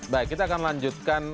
baik kita akan melanjutkan